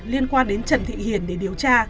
liên quan đến trần thị hiền để điều tra